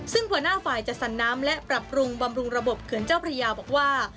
ซึ่งหัวหน้าฝ่ายจัดสรรน้ำและปรับปรุงบำรุงระบบเขื่อนเจ้าพระยาบอกว่า